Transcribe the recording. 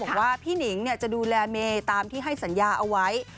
บอกว่าพี่หนิงจะดูแลเมย์ตามที่ให้สัญญาเอาไว้